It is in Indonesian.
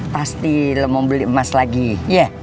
pasti lo mau beli emas lagi ya